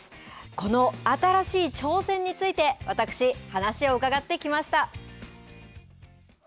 この新しい挑戦について私、話を伺ってきました。